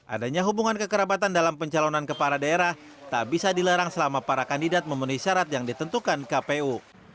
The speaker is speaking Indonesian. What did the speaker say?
adanya hubungan kekerabatan dalam pencalonan kepala daerah tak bisa dilarang selama para kandidat memenuhi syarat yang ditentukan kpu